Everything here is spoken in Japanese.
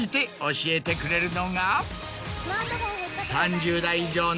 教えてくれるのが。